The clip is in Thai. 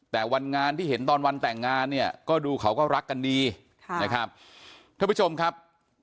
แต่วันงานที่เห็นตอนวันแต่งงานเนี่ยก็ดูเขาก็รักกันดีค่ะนะครับท่านผู้ชมครับ